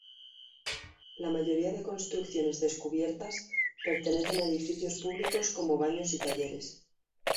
La mayoría de construcciones descubiertas pertenecen a edificios públicos como baños y talleres.